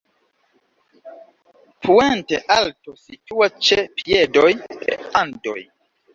Puente Alto situas ĉe piedoj de Andoj.